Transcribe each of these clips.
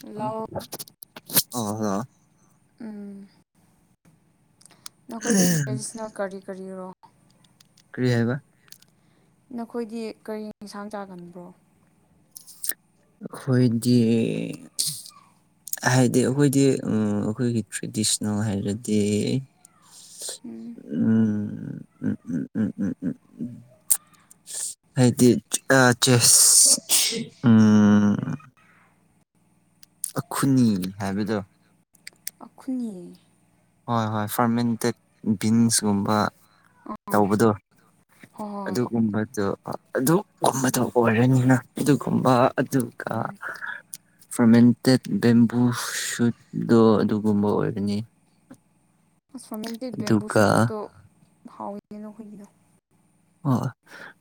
ꯂꯥꯎ ꯑ ꯍ ꯎꯝ ꯅꯈꯣꯏꯗꯤ ꯇ꯭ꯔꯦꯗꯤꯁꯅꯦꯜ ꯀꯔꯤ ꯀꯔꯤꯔꯣ ꯀ꯭ꯔꯤꯌꯥꯕ ꯅꯈꯣꯏꯗꯤ ꯀꯔꯤ ꯌꯦꯟꯁꯥꯡ ꯆꯥꯒꯟꯕ꯭ꯔꯣ ꯍꯣꯏꯗꯤꯌꯦ ꯍꯥꯏꯗꯤ ꯑꯩꯈꯣꯏꯗꯤ ꯑꯩꯈꯣꯏꯒꯤ ꯇ꯭ꯔꯦꯗꯤꯁꯅꯦꯜ ꯍꯥꯏꯔꯗꯤ ꯎꯝ ꯎꯝ ꯎꯝ ꯎꯝ ꯎꯝ ꯎꯝ ꯎꯝ [inaudible] ꯍꯥꯏꯗꯤ ꯑ ꯆꯦꯁ ꯎꯝ ꯑꯈꯨꯅꯤ ꯍꯥꯏꯕꯗꯣ ꯑꯈꯅꯤ ꯍꯣꯏ ꯍꯣꯏ ꯐꯥꯔꯃꯦꯟꯇꯦꯠ ꯕꯤꯟꯁꯀꯨꯝꯕ ꯑꯥ ꯇꯧꯕꯗꯣ ꯍꯣꯏ ꯍꯣꯏ ꯑꯗꯨꯒꯨꯝꯕꯗꯣ ꯑꯗꯨꯒꯨꯝꯕꯗ ꯑꯣꯏꯔꯅꯤꯅ ꯑꯗꯨꯒꯨꯝꯕ ꯑꯗꯨꯒ ꯎꯝ ꯐꯔꯃꯦꯟꯇꯦꯠ ꯕꯦꯝꯕꯨ ꯁꯨꯠꯗꯣ ꯑꯗꯨꯒꯨꯝꯕ ꯑꯣꯏꯒꯅꯤ ꯐꯣꯔꯃꯦꯟꯇꯦꯠ ꯕꯦꯝꯕꯨ ꯑꯗꯨꯒ ꯁꯨꯠꯇꯣ ꯍꯥꯎꯏꯒꯅꯣ ꯑꯩꯈꯣꯏꯒꯤꯗꯣ ꯍ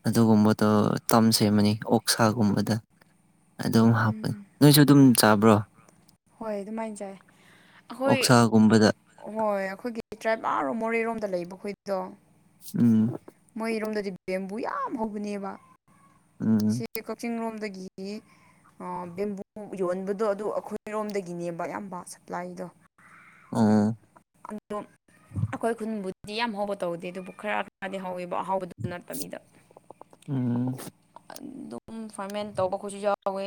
ꯑꯗꯨꯒꯨꯝꯕꯗꯣ ꯇꯝ ꯁꯦꯝꯃꯅꯤ ꯑꯣꯛꯁꯥꯒꯨꯝꯕꯗ ꯑꯗꯨꯝ ꯍꯥꯞꯄꯅꯤ ꯎꯝ ꯅꯣꯏꯁꯨ ꯑꯗꯨꯝ ꯆꯥꯕ꯭ꯔꯣ ꯍꯣꯏ ꯑꯗꯨꯃꯥꯏꯅ ꯆꯥꯏ ꯑꯩꯈꯣꯏ ꯑꯣꯛꯁꯥꯒꯨꯝꯕꯗ ꯍꯣꯏ ꯑꯩꯈꯣꯏꯒꯤ ꯇꯔꯥꯏꯕꯔꯣ ꯃꯣꯔꯦꯔꯣꯝ ꯂꯩꯕ ꯑꯩꯈꯣꯏꯗꯣ ꯎꯝ ꯃꯣꯏꯔꯣꯝꯗꯗꯤ ꯕꯦꯝꯕꯨ ꯌꯥꯝ ꯍꯧꯕꯅꯦꯕ ꯁꯤ ꯎꯝ ꯀꯣꯆꯤꯡ ꯔꯨꯝꯗꯒꯤ ꯒꯤ ꯕꯦꯝꯕꯨ ꯌꯣꯟꯕꯗꯣ ꯑꯗꯨ ꯑꯩꯈꯣꯏ ꯑꯩꯔꯣꯝꯗꯒꯤ ꯅꯦꯝꯕ ꯑꯌꯥꯝꯕ ꯁꯄ꯭ꯂꯥꯏꯗꯣ ꯑꯥ ꯗꯤ ꯌꯥꯝ ꯍꯧꯕ ꯇꯧꯗꯦ ꯑꯗꯨꯕꯨ ꯈꯔ ꯈꯔꯗꯤ ꯍꯧꯋꯦ ꯑꯍꯥꯎꯕꯗꯨ ꯅꯠꯇꯕ ꯃꯤꯗ ꯎꯝ ꯝ ꯐꯥꯔꯃꯦꯟ ꯇꯧꯕꯈꯠꯁꯨ ꯌꯥꯎꯋꯦ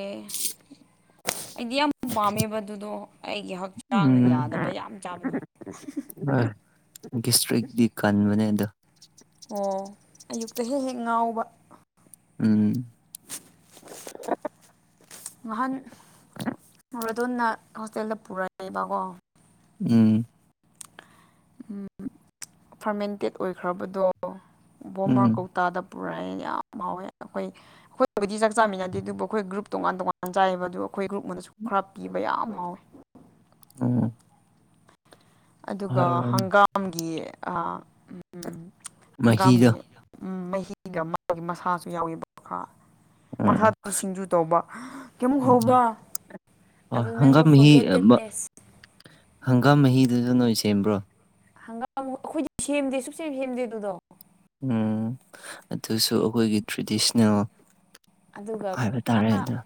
ꯑꯩꯗꯤ ꯌꯥꯝ ꯄꯥꯝꯃꯦꯕ ꯑꯗꯨꯗꯣ ꯑꯩꯒꯤ ꯍꯛꯆꯥꯡꯅ ꯌꯥꯗꯕ ꯌꯥꯝ ꯆꯥꯕꯗꯣ ꯑ ꯁꯇ꯭ꯔꯤꯛꯗꯤ ꯀꯟꯕꯅꯦ ꯑꯗꯣ ꯑꯣ ꯑꯌꯨꯛꯇ ꯍꯦꯛ ꯍꯦꯛ ꯉꯥꯎꯕ ꯎꯝ ꯉꯍꯥꯟ ꯃꯗꯣꯟꯅ ꯍꯣꯁꯇꯦꯜꯗ ꯄꯨꯔꯛꯑꯦꯕꯀꯣ ꯎꯝ ꯐꯔꯃꯦꯟꯇꯦꯠ ꯑꯣꯏꯈ꯭ꯔꯕꯗꯣ ꯕꯣꯃꯔ ꯎꯝ ꯀꯧꯇꯥꯗ ꯄꯨꯔꯛꯑ ꯌꯥꯝ ꯍꯥꯎꯋꯦ ꯑꯩꯈꯣꯏ ꯑꯩꯈꯣꯏꯕꯨꯗꯤ ꯆꯥꯛ ꯆꯥꯃꯤꯟꯅꯗꯦ ꯑꯗꯨꯕꯨ ꯑꯩꯈꯣꯏ ꯒ꯭ꯔꯨꯞ ꯇꯣꯉꯥꯟ ꯇꯣꯉꯥꯟ ꯆꯥꯏꯌꯦꯕ ꯑꯗꯨ ꯑꯩꯈꯣꯏ ꯒ꯭ꯔꯨꯞꯅꯅꯁꯨ ꯈꯔ ꯄꯤꯕ ꯌꯥꯝ ꯍꯥꯎꯋꯤ ꯎꯝ ꯑꯗꯨꯒ ꯍꯪꯒꯥꯝꯒꯤ ꯃꯍꯤꯗꯣ ꯍꯪꯒꯥꯝꯒꯤ ꯎꯝ ꯃꯍꯤꯒ ꯃꯥꯒꯤ ꯃꯁꯥꯁꯨ ꯌꯥꯎꯋꯕ ꯎꯝ ꯃꯁꯥꯗ ꯁꯤꯡꯖꯨ ꯇꯧꯕ ꯀꯩꯃꯨꯛ ꯍꯧꯕ ꯑꯣ ꯍꯪꯒꯥꯝ ꯃꯍꯤ ꯍꯪꯒꯥꯝ ꯃꯍꯤꯗꯨꯁꯨ ꯅꯣꯏ ꯁꯦꯝꯕ꯭ꯔꯣ ꯍꯪꯒꯥꯝ ꯑꯩꯈꯣꯏꯗ ꯎꯝ ꯑꯗꯨꯁꯨ ꯑꯩꯈꯣꯏꯒꯤ ꯇ꯭ꯔꯦꯗꯤꯁꯅꯦꯜ ꯑꯗꯨꯒ ꯍꯥꯏꯕ ꯇꯥꯔꯦ ꯑ ꯑꯗꯣ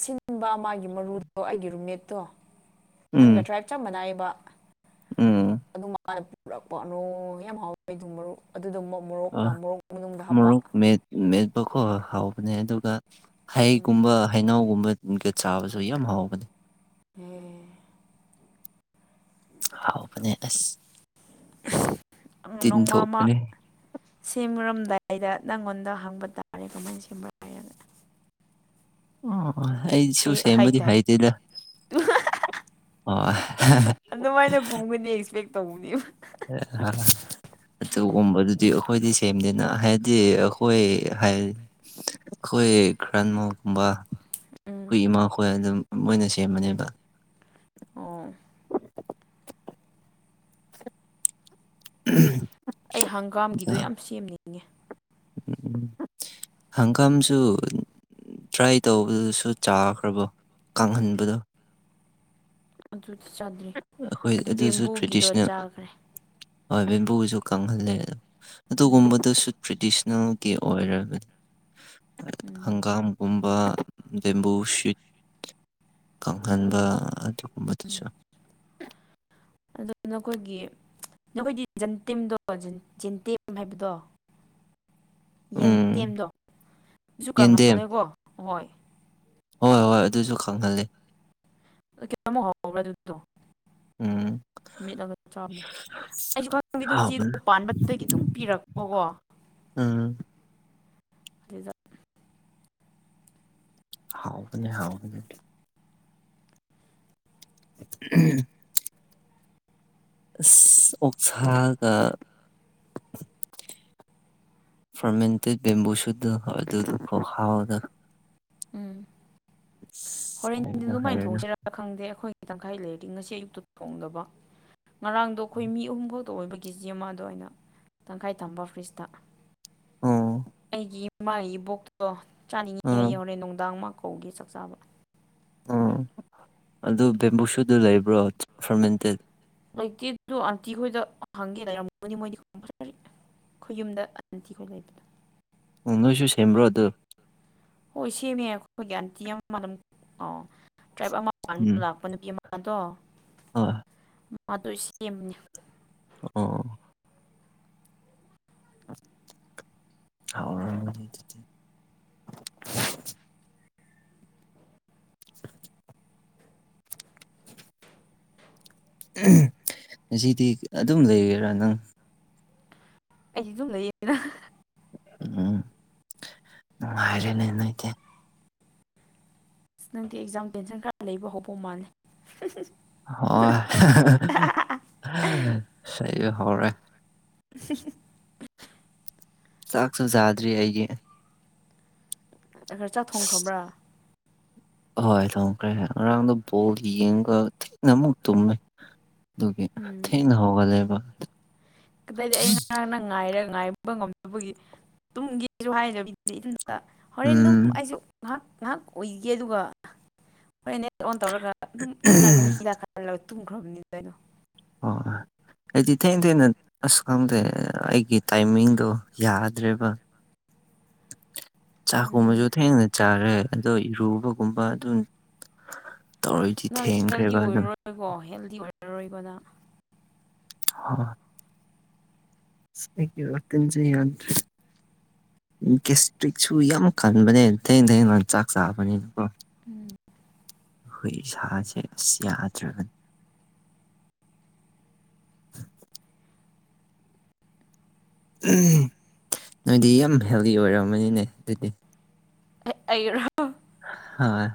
ꯁꯤꯟꯕ ꯃꯥꯒꯤ ꯃꯔꯨꯗꯣ ꯑꯩꯒꯤ ꯔꯨꯝꯃꯦꯠꯇꯣ ꯎꯝ ꯅꯪꯒ ꯇ꯭ꯔꯥꯏꯞ ꯆꯞ ꯃꯅꯥꯏꯕ ꯎꯝ ꯄꯨꯔꯛꯄꯅꯣ ꯌꯥꯝ ꯍꯥꯎꯋꯦ ꯑꯗꯨꯝ ꯃꯔꯨ ꯑꯗꯨꯗ ꯍꯣꯏ ꯃꯣꯔꯣꯛꯀ ꯃꯣꯔꯣꯛ ꯃꯅꯨꯡꯗ ꯍꯥꯞꯄ ꯀꯣ ꯍꯥꯎꯕꯅꯦ ꯑꯗꯨꯒ ꯎꯝ ꯍꯩꯒꯨꯝꯕ ꯍꯩꯅꯧꯒꯨꯝꯕ ꯒꯤ ꯆꯥꯕꯁꯨ ꯌꯥꯝ ꯍꯥꯎꯕꯅꯦ ꯎꯝ ꯍꯥꯎꯕꯅꯦ ꯑꯁ ꯇꯤꯟ ꯅꯣꯡꯃ ꯑꯃ ꯊꯣꯛꯄꯅꯦ ꯁꯦꯝꯔꯝ ꯕꯥꯏꯗ ꯅꯪꯉꯣꯟꯗ ꯍꯪꯕ ꯇꯥꯔꯦ ꯀꯃꯥꯏꯅ ꯁꯦꯝꯕꯔꯦꯅ ꯑꯣ ꯑꯩꯁꯨ ꯁꯦꯝꯕꯗꯤ ꯍꯩꯇꯥꯔꯦ ꯍꯩꯇꯦꯗ [unintelligible] ꯇꯧꯅꯦꯕ [unintelligible] ꯑꯗꯨꯒꯨꯝꯕꯗꯨꯗꯤ ꯑꯩꯈꯣꯏꯗꯤ ꯁꯦꯝꯅꯤꯅ ꯍꯥꯏꯗꯤ ꯑꯩꯈꯣꯏ ꯍꯥꯏ ꯑꯩꯈꯣꯏ ꯭ꯔꯥꯟꯃꯒꯨꯝꯕ ꯎꯝ ꯍꯨꯏ ꯏꯃꯥꯈꯣꯏ ꯑꯗꯨꯝ ꯃꯣꯏꯅ ꯁꯦꯝꯕꯅꯦꯕ ꯑꯣ [unintelligible] ꯑꯩ ꯍꯪꯒꯥꯝꯒꯤꯗꯣ ꯌꯥꯝ ꯁꯦꯝꯅꯤꯡꯉꯦ ꯎꯝ ꯍꯪꯒꯥꯝꯁꯨ ꯇ꯭ꯔꯥꯏ ꯇꯧꯕꯗꯨꯁꯨ ꯆꯥꯈ꯭ꯔꯕꯣ ꯀꯍꯟꯕꯗꯣ ꯑꯗꯨꯗꯤ ꯆꯥꯗ꯭ꯔꯤ ꯑꯩꯈꯣꯏ ꯑꯗꯨ ꯕꯦꯝꯕꯨꯒꯤꯗꯣ ꯆꯥꯈ꯭ꯔꯦ ꯍꯣꯏ ꯕꯦꯝꯕꯨꯁꯨ ꯀꯪꯍꯜꯂꯦ ꯎꯝ ꯑꯗꯨꯒꯨꯝꯕꯗꯨꯁꯨ ꯇ꯭ꯔꯦꯗꯤꯁꯅꯦꯜꯒꯤ ꯑꯣꯏꯔꯕꯗꯤ ꯎꯝ ꯍꯪꯒꯥꯝꯒꯨꯝ ꯒꯨꯝꯕ ꯕꯦꯝꯕꯨꯁꯤꯠ ꯀꯪꯍꯟꯕ ꯎꯝ ꯑꯗꯨꯒꯨꯝꯕꯗꯨꯁꯨ ꯑꯗꯨ ꯅꯈꯣꯏꯒꯤ ꯅꯈꯣꯏꯗꯤ ꯖꯟꯇꯦꯝꯗꯣ ꯖꯦꯟꯇꯦꯝ ꯍꯥꯏꯕꯗꯣ ꯎꯝ ꯌꯦꯟꯇꯦꯝꯗꯣ ꯌꯦꯟꯗꯦꯝ ꯀꯪꯍꯥꯜꯂꯦꯀꯣ ꯍꯣꯏ ꯍꯣꯏ ꯍꯣꯏ ꯑꯗꯨꯁꯨ ꯀꯪꯍꯜꯂꯤ ꯀꯩꯅꯣꯃꯨꯛ ꯍꯧꯕ꯭ꯔꯥ ꯑꯗꯨꯗꯣ ꯎꯝ ꯃꯤꯠ ꯑꯃ ꯆꯥꯕꯗꯣ ꯑꯩꯁꯨ ꯈꯪꯗꯦ ꯏꯆꯦꯗꯣ ꯍꯥꯎꯕꯅꯦ ꯄꯥꯟꯕꯗꯒꯤ ꯑꯗꯨꯝ ꯄꯤꯔꯛꯄ ꯀꯣ ꯎꯝ [unintelligible] ꯍꯥꯎꯕꯅꯦ ꯍꯥꯎꯕꯅꯦ [inaudible] ꯑꯁ [inaudible] ꯎꯝ ꯑꯁ ꯍꯣꯔꯦꯟ ꯍꯥꯏꯔꯨꯅꯨ ꯑꯗꯨꯃꯥꯏꯅ ꯍꯥꯏꯔꯨꯅꯨ ꯊꯣꯡꯁꯤꯔ ꯈꯪꯗꯦ ꯑꯩꯈꯣꯏ ꯇꯪꯈꯥꯏ ꯂꯩꯔꯗꯤ ꯉꯁꯤ ꯑꯌꯨꯛꯇ ꯊꯣꯡꯗꯕ ꯉꯔꯥꯡꯗꯣ ꯑꯩꯈꯣꯏ ꯃꯤ ꯑꯍꯨꯝꯐꯥꯎ ꯇꯣ ꯑꯣꯏꯕ ꯀꯦ ꯖꯤ ꯑꯃ ꯑꯗꯣ ꯑꯩꯅ ꯇꯪꯈꯥꯏ ꯊꯝꯕ ꯐ꯭ꯔꯤꯖꯇ ꯎꯝ ꯑꯩꯒꯤ ꯏꯃꯥꯒꯤ ꯏꯕꯣꯛꯇꯣ ꯆꯥꯅꯤꯡꯉꯤ ꯍꯥꯏ ꯎꯝ ꯍꯣꯔꯦꯟ ꯅꯨꯡꯗꯥꯡ ꯃꯥ ꯀꯧꯒꯦ ꯆꯥꯛ ꯆꯥꯕ ꯑꯣ ꯑꯗꯨ ꯕꯦꯝꯕꯨꯁꯨꯠꯗꯨ ꯂꯩꯕ꯭ꯔꯣ ꯐꯥꯔꯃꯦꯟꯇꯦꯠ ꯂꯩꯇꯦꯗꯣ ꯑꯟꯇꯤ ꯍꯣꯏꯗ ꯍꯪꯒꯦ ꯂꯩꯔꯝꯒꯅꯤ ꯃꯣꯏꯗꯤ ꯈꯨꯌꯨꯝꯗ ꯑꯟꯇꯤꯈꯣꯏ ꯂꯩꯕꯗꯣ ꯎꯪ ꯅꯣꯏꯁꯨ ꯁꯦꯝꯕꯔꯣ ꯑꯗꯨ ꯍꯣꯏ ꯁꯦꯝꯃꯦ ꯑꯩꯈꯣꯏꯒꯤ ꯑꯟꯇꯤ ꯑꯃ ꯑꯗꯨꯝ ꯑ ꯇ꯭ꯔꯥꯏꯞ ꯑꯃ ꯂꯥꯛꯄ ꯅꯨꯄꯤ ꯑꯃ ꯑꯗꯣ ꯑ ꯃꯗꯨ ꯁꯦꯝꯅꯤ ꯑꯣ ꯊ ꯉꯁꯤꯗꯤ ꯑꯗꯨꯝ ꯂꯩꯔꯦꯔꯥ ꯅꯪ ꯑꯩꯗꯤ ꯑꯗꯨꯨꯝ ꯂꯩ ꯌꯦꯅꯤꯅ ꯎꯝ ꯅꯨꯡꯉꯥꯏꯔꯦꯅꯦ ꯅꯣꯏꯗꯤ ꯅꯪꯗꯤ ꯑꯦꯛꯖꯥꯝ ꯇꯦꯟꯁꯟ ꯈꯔ ꯂꯩꯕ ꯍꯧꯕ ꯃꯥꯜꯂꯦ ꯍꯣꯏ ꯂꯩꯕ ꯍꯧꯔꯦ [inaudible] ꯆꯥꯛꯁꯨ ꯆꯥꯗꯔꯤ ꯑꯩꯒꯤ ꯈꯔ ꯆꯥꯛ ꯊꯣꯡꯈ꯭ꯔꯕ꯭ꯔꯥ ꯍꯣꯏ ꯊꯣꯡꯈ꯭ꯔꯦ ꯉꯔꯥꯡꯗ ꯕꯣꯜ ꯌꯦꯡꯉꯒ ꯊꯦꯡꯅ ꯑꯃꯨꯛ ꯇꯨꯝꯃꯦ ꯑꯗꯨꯒꯤ ꯊꯦꯡꯅ ꯍꯧꯒꯠꯂꯦꯕ ꯀꯗꯥꯏꯗꯩ ꯑꯩ ꯉꯔꯥꯡꯅ ꯉꯥꯏꯔꯒ ꯉꯥꯏꯕ ꯉꯝꯗꯕꯒꯤ ꯇꯨꯝꯒꯦꯁꯨ ꯍꯥꯏꯗꯕꯤ ꯍꯣꯔꯦꯟ ꯑꯗꯨꯝ ꯎꯝ ꯑꯩꯁꯨ ꯉꯥꯏꯍꯥꯛ ꯉꯥꯏꯍꯥꯛ ꯎꯏꯒꯦ ꯑꯗꯨꯒ ꯍꯣꯔꯦꯟ ꯅꯦꯠ ꯑꯣꯟ ꯇꯧꯔꯒ ꯑꯗꯨꯝ ꯆꯞ ꯆꯥꯈꯤꯅꯤꯗ ꯈꯔ ꯇꯨꯝꯈ꯭ꯔꯕꯅꯤ ꯑꯗꯨ ꯀꯩꯅꯣ ꯑ ꯑꯩꯗꯤ ꯊꯦꯡꯅ ꯊꯦꯡꯅ ꯑꯁ ꯈꯪꯗꯦ ꯑꯩꯒꯤ ꯇꯥꯏꯃꯤꯡꯗꯣ ꯌꯥꯗ꯭ꯔꯦꯕ [inaudible] ꯎꯝ ꯆꯥꯛꯀꯨꯝꯕꯁꯨ ꯊꯦꯡꯅ ꯆꯥꯔꯦ ꯑꯗꯣ ꯏꯔꯨꯕꯒꯨꯝꯕ ꯑꯗꯨꯝ ꯇꯧꯔꯗꯤ ꯅꯪ ꯍꯦꯜꯗꯤ ꯊꯦꯡꯈ꯭ꯔꯦꯕ ꯑꯗꯨꯝ ꯑꯣꯏꯔꯔꯣꯏꯀꯣ ꯍꯦꯜꯗꯤ ꯑꯣꯏꯔꯔꯣꯏꯕ ꯅꯪ [inaudible] ꯏꯁꯇꯤꯟꯖꯟꯗ ꯌꯥꯗꯔꯦ ꯀꯤꯁꯇ꯭ꯔꯤꯛꯁꯨ ꯌꯥꯝ ꯀꯟꯕꯅꯦ ꯊꯦꯡꯅ ꯊꯦꯡꯅ ꯆꯥꯛ ꯆꯥꯕꯅꯤꯅꯀꯣ ꯎꯝ ꯍꯣꯏ ꯁꯖꯦꯁꯤ ꯌꯥꯗ꯭ꯔꯒꯅꯤ [unintelligible] ꯅꯣꯏꯗꯤ ꯌꯥꯝ ꯍꯦꯜꯗꯤ ꯑꯣꯏꯔꯝꯃꯅꯤꯅꯦ ꯑꯗꯨꯗꯤ ꯑꯩꯔ ꯍꯣꯏ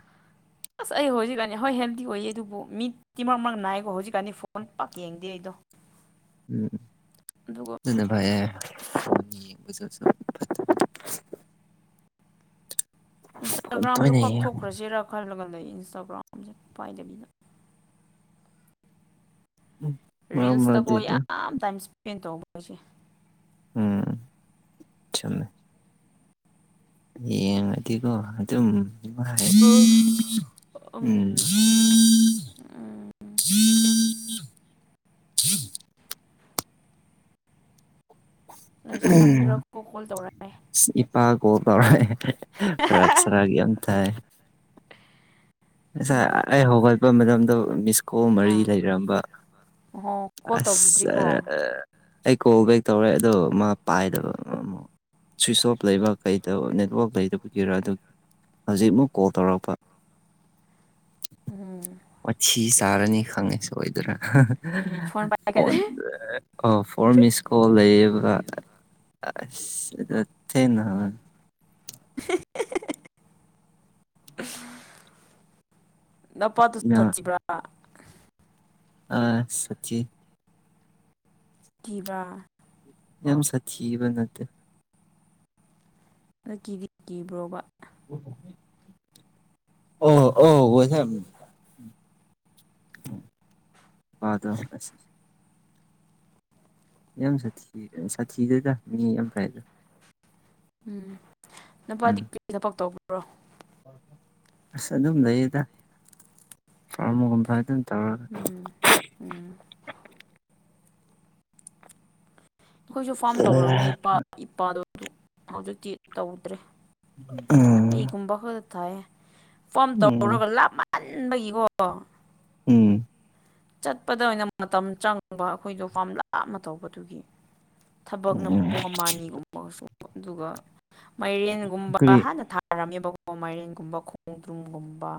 ꯑꯁ ꯑꯩ ꯍꯧꯖꯤꯛꯀꯥꯟꯅꯤ ꯍꯣꯏ ꯍꯦꯜꯗꯤ ꯑꯣꯏꯌꯦ ꯑꯗꯨꯕꯨ ꯃꯤꯗꯤꯤꯃꯛꯃꯛ ꯅꯥꯏꯀꯣ ꯍꯧꯖꯤꯛꯀꯥꯟꯗꯤ ꯐꯣꯟ ꯄꯥꯛ ꯌꯦꯡꯗꯤ ꯂꯩ ꯑꯣ ꯎꯝ ꯅꯅ ꯐꯥꯏ [unintelligible] ꯏꯟꯁꯇꯥꯒ꯭ꯔꯥꯝꯁꯨ ꯇꯣꯏꯅ ꯌꯦꯡ ꯀꯛꯊꯣꯛꯈ꯭ꯔꯁꯤꯔꯥ ꯈꯜꯂꯒ ꯂꯩ ꯏꯟꯁꯇꯥꯒ꯭ꯔꯥꯝꯁꯦ ꯄꯥꯏꯗꯕꯤꯗ ꯃꯔꯛ ꯔꯤꯜꯁꯇꯀꯣ ꯃꯔꯛꯇꯤ ꯑꯗꯨꯝ ꯌꯥꯝ ꯇꯥꯏꯝ ꯏꯁꯄꯦꯟ ꯇꯧꯈꯣꯏꯁꯦ ꯎꯝ ꯆꯃꯦ ꯌꯦꯡꯉꯗꯤꯒꯣ ꯑꯗꯨꯝ ꯅꯨꯡꯉꯥꯏ ꯑ ꯎꯝ ꯎ ꯍ ꯂꯩꯁꯥꯕꯤꯔꯀꯣ ꯀꯣꯜ ꯇꯧꯔꯛꯑꯦ ꯏꯄꯥ ꯀꯣ ꯇꯔꯦ ꯔꯥꯛꯁ ꯔꯒ ꯌꯥꯝꯦꯝ ꯊꯥꯏ ꯉꯁ ꯄꯨꯡꯒꯤꯗ ꯑꯩ ꯍꯧꯒꯠꯄ ꯃꯇꯝꯗꯣ ꯃꯤꯁ ꯀꯣ ꯃꯔꯤ ꯑꯥ ꯂꯩꯔꯝꯕ ꯑꯣꯍꯣ ꯀꯣꯜ ꯑꯁ ꯇꯧꯕꯤꯗ꯭ꯔꯤꯀꯣ ꯑꯩ ꯀꯣꯕꯩ ꯇꯧꯔꯦ ꯑꯗꯣ ꯃꯥ ꯄꯥꯏꯗꯕ ꯑꯃꯛ ꯁ꯭ꯋꯤꯁ ꯑꯣꯐ ꯂꯩꯕ ꯀꯩꯗ ꯅꯦꯠꯋꯥꯛ ꯂꯩꯗꯕꯒꯤꯔ ꯑꯗꯨꯒꯤ ꯍꯧꯖꯤꯛ ꯑꯃꯨꯛ ꯀꯣꯜ ꯇꯧꯔꯛꯄ ꯎꯝ ꯋꯥꯊꯤ ꯆꯥꯔꯅꯤ ꯈꯪꯉꯦ ꯁ ꯑꯣꯏꯣꯏꯗꯅꯥ ꯐꯣꯟ ꯐꯣꯟ ꯄꯥꯏꯒꯠꯂꯦ ꯑ ꯐꯣꯔ ꯃꯤꯁ ꯀꯣꯜ ꯂꯩꯌꯦꯕ ꯑ ꯊꯦꯅ ꯍ [unintelligible] ꯗ ꯄꯗꯨꯨ ꯁꯆꯤꯕ꯭ꯔꯥ ꯑꯥ ꯁꯆꯤ ꯀꯕ ꯑ ꯁꯕ ꯅꯠꯇ ꯑꯗ ꯀꯤꯗꯤ ꯀꯤꯕ꯭ꯔꯣꯕ ꯑꯣ ꯑꯣ ꯑꯣꯁ ꯑꯗ ꯌꯥꯝ ꯁꯥꯊꯤ ꯁꯥꯊꯤꯗꯗ ꯃꯤ ꯌꯥꯝ ꯐ꯭ꯔꯥꯏꯗ ꯎꯝ ꯅꯨꯄꯥꯗꯤ ꯄ ꯊꯕꯛ ꯇ꯭ꯔꯣ ꯑꯁ ꯑꯗꯨꯝ ꯂꯩꯌꯦꯗ ꯐꯥꯔꯃꯒꯨꯝꯕ ꯑꯗꯨꯝ ꯇꯧꯔꯒ ꯎꯝ ꯎꯝ ꯑꯩꯈꯣꯏꯁꯨ ꯐꯥꯝ ꯇꯧꯔꯝꯃꯦ ꯏꯄꯥ ꯏꯄꯥꯗꯣ ꯍꯧꯖꯤꯛꯇꯤ ꯇꯧꯗ꯭ꯔꯦ ꯎꯝ ꯍꯩꯒꯨꯝꯕ ꯈꯛꯇ ꯊꯥꯏꯌꯦ ꯐꯣꯝ ꯎꯝ ꯇꯧꯔꯔꯒ ꯂꯥꯞꯃꯟꯕꯒꯤꯀꯣ ꯎꯝ ꯆꯠꯄꯗ ꯑꯣꯏꯅ ꯃꯇꯝ ꯆꯪꯕ ꯑꯩꯈꯣꯏꯗꯣ ꯄꯥꯝ ꯂꯥꯞꯅ ꯇꯧꯕꯗꯨꯒꯤ ꯊꯕꯛꯅ ꯎꯝ ꯄꯨꯡ ꯑꯃ ꯑꯅꯤꯒꯨꯝꯕꯒꯁꯨ ꯑꯗꯨꯒ ꯃꯥꯏꯔꯦꯟꯒꯨꯝꯕ ꯀꯔꯤ ꯍꯥꯟꯅ ꯊꯥꯔꯝꯃꯤ ꯀ ꯃꯥꯏꯔꯦꯟꯒꯨꯝꯕ ꯈꯣꯡꯗ꯭ꯔꯨꯝꯒꯨꯝꯕ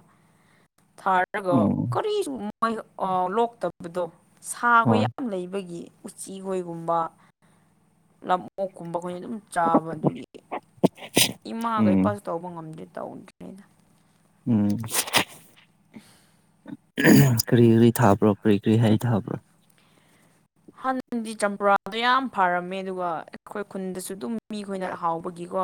ꯊꯥꯔꯒ ꯎꯝ ꯀꯔꯤ ꯃꯣꯏ ꯂꯣꯛꯇꯕꯗꯣ ꯁꯥꯈ ꯍꯣꯏ ꯌꯥꯝ ꯂꯩꯕꯒꯤ ꯎꯆꯤꯒꯣꯏꯒꯨꯝꯕ ꯅꯞꯃꯣꯛꯀꯨꯝꯕ ꯑꯩꯈꯣꯏꯅ ꯑꯗꯨꯝ ꯆꯥꯕ ꯑꯗꯨꯒꯤ ꯏꯃꯥꯒ ꯎꯝ ꯏꯄꯥꯁꯨ ꯇꯧꯕ ꯉꯝꯗꯦ ꯇꯧꯗ꯭ꯔꯤꯅꯤꯅ ꯎꯝ ꯀꯔꯤ ꯀꯔꯤ ꯊꯥꯕ꯭ꯔꯣ ꯀꯔꯤ ꯀꯔꯤ ꯍꯩ ꯊꯥꯕ꯭ꯔꯣ ꯍꯥꯟꯗꯤ ꯆꯝꯄꯨꯔꯥꯗꯣ ꯌꯥꯝ ꯐꯔꯝꯃꯦ ꯑꯗꯨꯒ ꯑꯩꯈꯣꯏ ꯈꯨꯟꯗꯁꯨ ꯑꯗꯨꯝ ꯃꯤꯈꯣꯏꯅ ꯍꯥꯎꯕꯒꯤꯀꯣ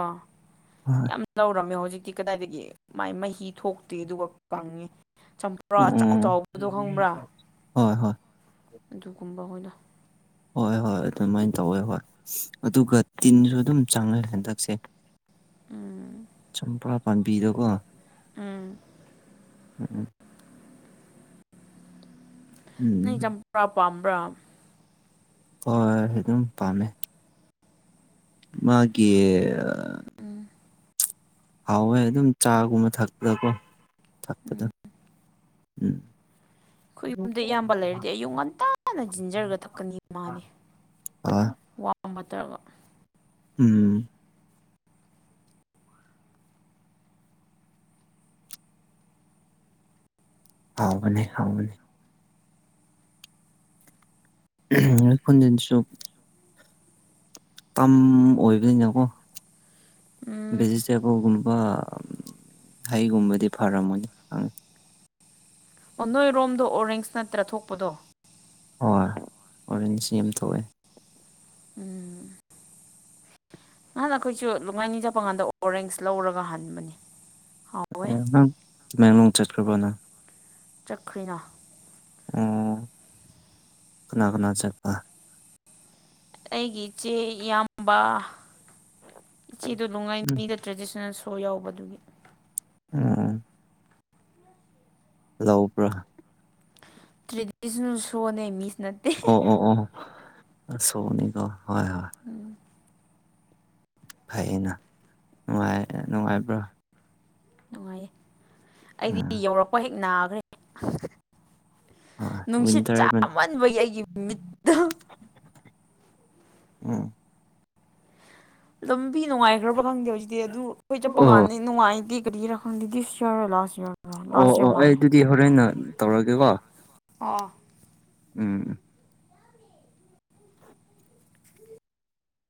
ꯍꯣꯏ ꯌꯥꯝ ꯂꯧꯔꯝꯃꯦ ꯍꯧꯖꯤꯛ ꯇꯤ ꯀꯗꯥꯏꯗꯒꯤ ꯃꯥꯏ ꯃꯍꯤ ꯊꯣꯛꯇꯦ ꯑꯗꯨꯒ ꯀꯪꯉꯦ ꯫ ꯆꯝꯄ꯭ꯔꯥ ꯑꯆꯥꯎ ꯎꯝ ꯆꯥꯎꯕꯗꯣ ꯈꯪꯕ꯭ꯔꯥ ꯍꯣꯏ ꯍꯣꯏ ꯑꯗꯨꯒꯨꯝꯕ ꯑꯣꯏꯅ ꯍꯣꯏ ꯍꯣꯏ ꯑꯗꯨꯃꯥꯏꯅ ꯇꯧꯋꯦ ꯍꯣꯏ ꯑꯗꯨꯒ ꯇꯤꯟꯁꯨ ꯑꯗꯨꯝ ꯆꯪꯅꯔꯦ ꯍꯟꯗꯛꯁꯦ ꯎꯝ ꯆꯝꯄ꯭ꯔꯥ ꯄꯥꯝꯕꯤꯗꯀꯣ ꯎꯝ [inaudible] ꯎꯝ ꯅꯪ ꯆꯝꯄ꯭ꯔꯥ ꯄꯥꯝꯕ꯭ꯔꯥ ꯍꯣꯏ ꯑꯗꯨꯝ ꯄꯥꯝꯃꯦ ꯃꯥꯒꯤ ꯎꯝ ꯍꯥꯎꯋꯦ ꯑꯗꯨꯝ ꯆꯥꯒꯨꯝꯕ ꯊꯛꯄꯗꯀꯣ ꯊꯛꯄꯗ ꯎꯝ [unintelligible] ꯑꯩꯈꯣꯏ ꯌꯨꯝꯗ ꯏꯌꯥꯝꯕ ꯂꯩꯔꯗꯤ ꯑꯌꯨꯛ ꯉꯟꯇꯥꯅ ꯖꯟꯖꯔꯒ ꯊꯛꯀꯅꯤ ꯃꯥꯅꯤ ꯑꯥ [unintelligible] ꯎꯝ ꯍꯥꯎꯕꯅꯦ ꯍꯥꯎꯕꯅꯦ ꯑꯩ ꯈꯣꯟꯟꯖꯤꯟꯁꯨ ꯀꯝ ꯑꯣꯏꯕꯅꯤꯅꯀꯣ ꯎꯝ ꯚꯦꯖꯤꯇꯦꯕꯜꯒꯨꯝꯕ ꯍꯩꯒꯨꯝꯕꯗꯤ ꯐꯔꯝꯃꯣꯏꯅꯤ ꯈꯪꯉꯤ ꯑꯣ ꯅꯣꯏꯔꯣꯝꯗ ꯑꯣꯔꯦꯡꯁ ꯅꯠꯇ꯭ꯔ ꯊꯣꯛꯄꯗꯣ ꯍꯣꯏ ꯑꯣꯔꯦꯟꯖ ꯌꯥꯝ ꯊꯣꯛꯑꯦ ꯎꯝ ꯅꯍꯥꯟ ꯑꯩꯈꯣꯏꯁꯨ ꯂꯣꯡꯉꯥꯏꯅꯤ ꯆꯠꯄ ꯀꯥꯟꯗ ꯑꯣꯔꯦꯡꯁ ꯂꯧꯔꯒ ꯍꯟꯕꯅꯤ ꯍꯥꯎꯋꯦ ꯎꯝ ꯇꯃꯦꯡꯂꯣꯡ ꯆꯠꯈꯔꯕ ꯅꯪ ꯆꯈꯔꯦꯅꯥ ꯑꯣ ꯀꯅꯥ ꯀꯅꯥ ꯆꯠꯄ ꯑꯩꯒꯤ ꯏꯆꯦ ꯏꯌꯥꯝꯕ ꯏꯆꯦꯗꯨ ꯎꯝ ꯂꯨꯡꯉꯥꯏꯅꯤ ꯇ꯭ꯔꯦꯗꯤꯁꯅꯦꯜ ꯁꯣ ꯌꯥꯎꯕꯗꯨꯒꯤ ꯑꯣ ꯂꯧꯕ꯭ꯔꯥ ꯇ꯭ꯔꯦꯗꯤꯁꯅꯦꯜ ꯁꯣꯅꯦ ꯃꯤꯁ ꯅꯠꯇꯦ ꯑꯣ ꯑꯣ ꯑꯣ ꯁꯣꯅꯤꯀꯣ ꯍꯣꯏ ꯍꯣꯏ ꯎꯝ ꯐꯩꯌꯦꯅꯅꯨꯡ ꯅꯨꯡꯉꯥꯏꯕ꯭ꯔꯥ ꯅꯨꯡꯉꯥꯏꯌꯦ ꯑꯩꯗꯤ ꯎꯝ ꯌꯧꯔꯛꯄ ꯍꯦꯛ ꯅꯥꯈ꯭ꯔꯦ ꯍꯣꯏ ꯅꯨꯡꯁꯤꯠ ꯋꯤꯟꯇꯔ ꯆꯥꯃꯟꯕꯒꯤ ꯑꯩꯒꯤ ꯃꯤꯠꯇ ꯎꯝ ꯂꯝꯕꯤ ꯅꯨꯡꯉꯥꯏꯈ꯭ꯔꯕ ꯈꯪꯗꯦ ꯍꯧꯖꯤꯛꯇꯤ ꯑꯗꯨ ꯑꯩꯈꯣꯏ ꯆꯠꯄ ꯑꯣ ꯀꯥꯟꯗ ꯅꯨꯡꯉꯥꯏꯇꯦ ꯀꯔꯤꯔ ꯈꯪꯗꯤ ꯗꯤꯁ ꯏꯌꯔ ꯂꯥꯁ ꯏꯌꯔ ꯑꯣ ꯑꯣ ꯑꯩ ꯑꯗꯨꯗꯤ ꯍꯣꯔꯦꯟꯟꯅ ꯇꯧꯔꯒꯦꯀꯣ ꯑꯥ ꯎꯝ